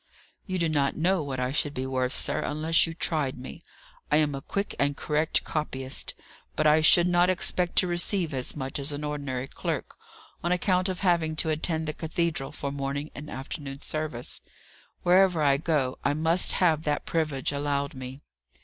"You do not know what I should be worth, sir, unless you tried me. I am a quick and correct copyist; but I should not expect to receive as much as an ordinary clerk, on account of having to attend the cathedral for morning and afternoon service. Wherever I go, I must have that privilege allowed me."